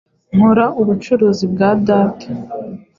Nkora ubucuruzi bwa Data.